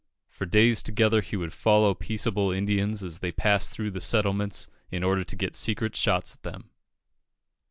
For days together he would follow peaceable Indians as they passed through the settlements, in order to get secret shots at them.